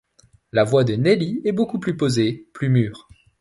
La voix de Nelly est beaucoup plus posée, plus mûre.